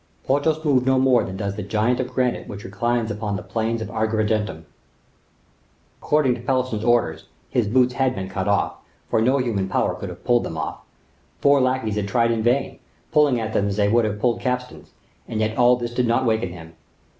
Porthos moved no more than does the giant of granite which reclines upon the plains of Agrigentum. According to Pelisson's orders, his boots had been cut off, for no human power could have pulled them off. Four lackeys had tried in vain, pulling at them as they would have pulled capstans; and yet all this did not awaken him.